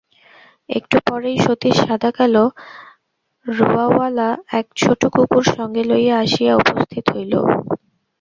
একটু পরেই সতীশ সাদাকালো-রোঁয়াওয়ালা এক ছোটো কুকুর সঙ্গে লইয়া আসিয়া উপস্থিত হইল।